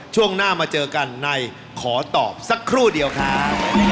ช่วงหน้ามาเจอกันในขอตอบสักครู่เดียวครับ